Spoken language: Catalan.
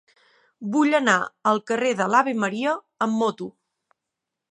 Vull anar al carrer de l'Ave Maria amb moto.